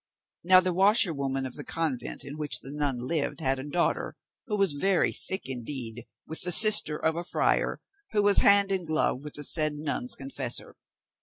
Now the washerwoman of the convent in which the nun lived had a daughter, who was very thick indeed with the sister of a friar, who was hand and glove with the said nun's confessor.